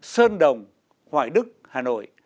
sơn đồng hoài đức hà nội